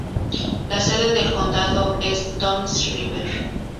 La sede del condado es Toms River.